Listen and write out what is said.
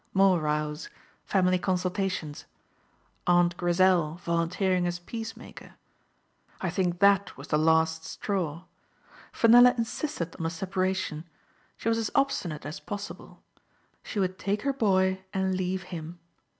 More rows. Family consultations. Aunt Grizel volunteering as peace maker; I think that was the last straw. Fenella insisted on a separation ; she was as obstinate as possible. She would take her boy and leave him.